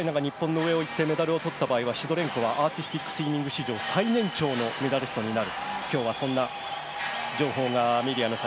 もしウクライナが日本の上を行ってメダルを取った場合は、シドレンコはアーティスティックスイミング史上最年長のメダリストになる。